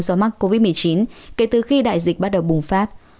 do mắc covid một mươi chín kể từ khi đại dịch bắt đầu bùng phát